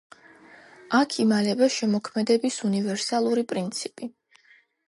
აქ იმალება შემოქმედების უნივერსალური პრინციპი.